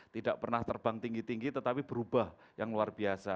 tidak pernah terbang tinggi tinggi tetapi berubah yang luar biasa